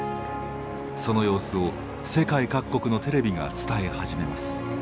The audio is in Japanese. その様子を世界各国のテレビが伝え始めます。